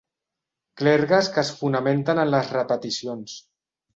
Clergues que es fonamenten en les repeticions.